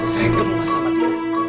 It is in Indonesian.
saya gemes sama dia